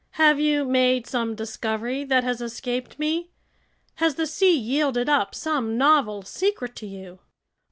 "Have you made some discovery that has escaped me? Has the sea yielded up some novel secret to you?"